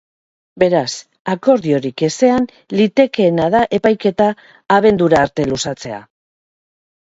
Beraz, akordiorik ezean, litekeena da epaiketa abendura arte luzatzea.